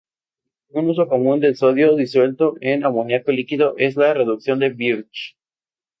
Un uso común del sodio disuelto en amoníaco líquido es la reducción de Birch.